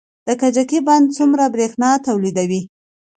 د کجکي بند څومره بریښنا تولیدوي؟